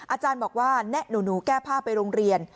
อาจารย์บอกว่าแนะหนูแก้ผ้าไปโรงเรียน